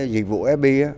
thì những cái